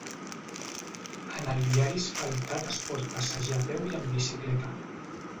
En el viari asfaltat es pot passejar a peu i en bicicleta.